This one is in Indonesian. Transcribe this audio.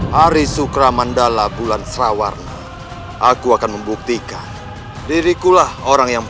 hari sukramandala bulan srawarna aku akan membuktikan dirikulah orang yang